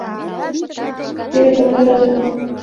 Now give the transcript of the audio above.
— Теве тыланет азбука.